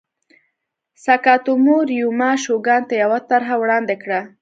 ساکاتومو ریوما شوګان ته یوه طرحه وړاندې کړه.